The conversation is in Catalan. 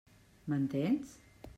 M'entens?